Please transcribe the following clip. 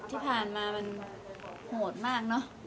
ที่ผ่านมามันโหดมากเนอะ